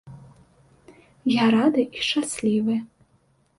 Я рады і шчаслівы.